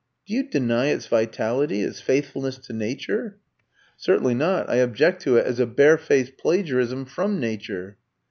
"Do you deny its vitality its faithfulness to nature?" "Certainly not. I object to it as a barefaced plagiarism from nature."